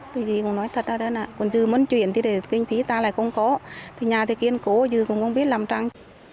thì dư cũng nói thật ra đó nè còn dư muốn chuyển thì để kinh phí ta lại không có thì nhà thì kiên cố dư cũng không biết làm răng